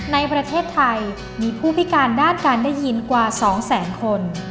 ในประเทศไทยมีผู้พิการด้านการได้ยินกว่า๒แสนคน